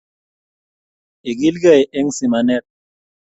Igilgei eng'simanet.